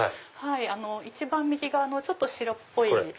一番右側のちょっと白っぽい。